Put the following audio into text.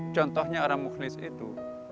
contohnya orang mukhlis itu